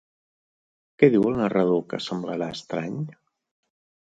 Què diu el narrador que semblarà estrany?